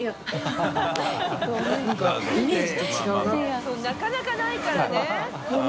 いやそうなかなかないからね。